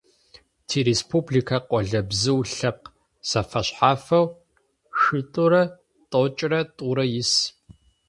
Тиреспубликэ къолэбзыу лъэпкъ зэфэшъхьафэу шъитӏурэ тӏокӏырэ тӏурэ ис.